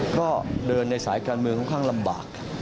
ก็เดินในสายการเมืองค่อนข้างลำบาก